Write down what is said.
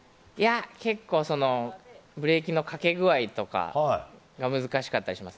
結構ブレーキのかけ具合とかが難しかったりします。